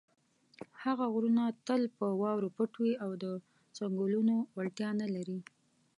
هغه غرونه تل په واورو پټ وي او د څنګلونو وړتیا نه لري.